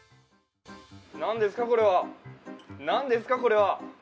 なんですかこれは、なんですかこれは！？